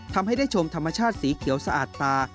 ทำให้ได้ชมธรรมชาติสีเขียวสะอาดตา